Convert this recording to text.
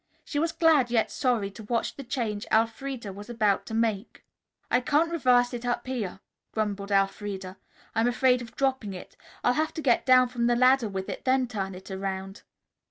She was glad yet sorry to watch the change Elfreda was about to make. "I can't reverse it up here," grumbled Elfreda. "I'm afraid of dropping it. I'll have to get down from the ladder with it, then turn it around."